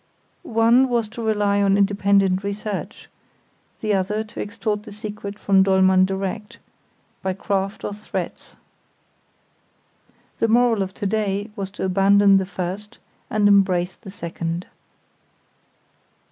One was to rely on independent research; the other to extort the secret from Dollmann direct, by craft or threats. The moral of to day was to abandon the first and embrace the second.